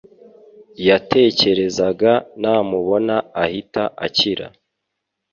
yatekerezaga namubona ahita akira.